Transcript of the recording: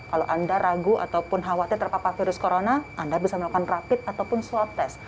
kalau anda ragu ataupun khawatir terpapar virus corona anda bisa melakukan rapid ataupun swab test